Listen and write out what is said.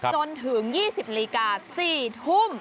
จนถึง๒๐นาฬิกา๔ทุ่ม